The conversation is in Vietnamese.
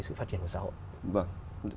sự phát triển của xã hội